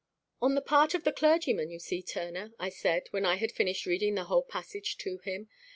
"On the part of the clergyman, you see, Turner," I said, when I had finished reading the whole passage to him.